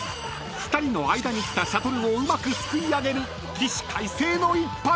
［２人の間に来たシャトルをうまくすくい上げる起死回生の一発！］